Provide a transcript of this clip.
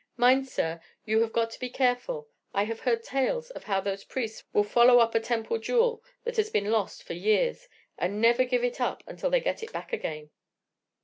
Mind, sir, you have got to be careful. I have heard tales of how those priests will follow up a temple jewel that has been lost for years, and never give it up until they get it back again.'